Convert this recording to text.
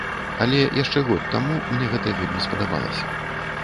Але яшчэ год таму мне гэта вельмі спадабалася.